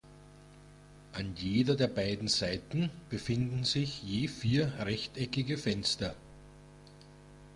An jeder der beiden Seiten befinden sich je vier rechteckige Fenster.